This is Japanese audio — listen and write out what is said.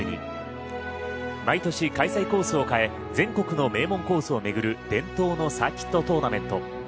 毎年、開催コースを変え全国の名門コースを巡る伝統のサーキットトーナメント。